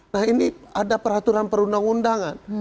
nah ini ada peraturan perundang undangan